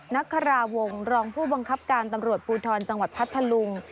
นักคาราวงศ์รองผู้บังคับการตำรวจภูทรจังหวัดพัทธลุง